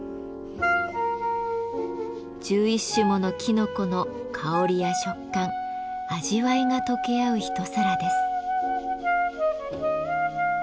１１種ものきのこの香りや食感味わいが溶け合う一皿です。